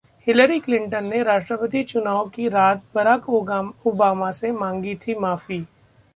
Hillary Clinton ने राष्ट्रपति चुनाव की रात बराक ओबामा से मांगी थी माफी!